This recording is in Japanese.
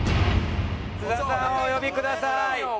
津田さんをお呼びください。